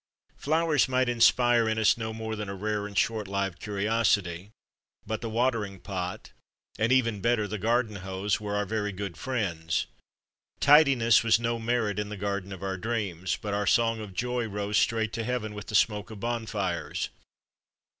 Flowers might inspire in us no more than a rare and short lived curi osity, but the watering pot (and even better the garden hose) were our very good friends. Tidiness was no merit in the garden of our dreams, but our song of joy rose straight to heaven with the smoke of bonfires.